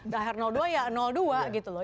die hard dua ya dua gitu loh